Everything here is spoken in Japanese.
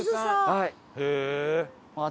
はい。